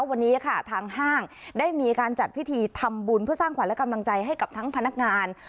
วันนี้ค่ะทางห้างได้มีการจัดพิธีทำบุญเพื่อสร้างขวัญและกำลังใจให้กับทั้งพนักงาน